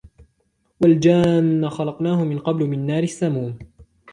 والجان خلقناه من قبل من نار السموم